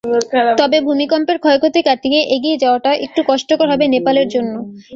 তবে ভূমিকম্পের ক্ষয়ক্ষতি কাটিয়ে এগিয়ে যাওয়াটা একটু কষ্টকর হবে নেপালের জন্য।